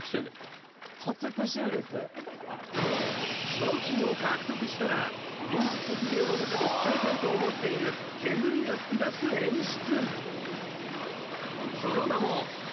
賞金を獲得したらミュージックビデオの中で使いたいと思っている煙が噴き出す演出